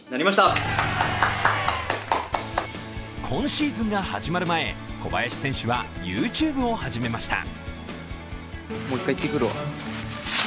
今シーズンが始まる前、小林選手はＹｏｕＴｕｂｅを始めました。